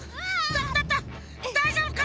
だだだだいじょうぶか！？